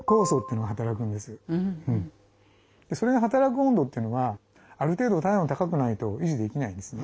それが働く温度というのはある程度体温高くないと維持できないんですね。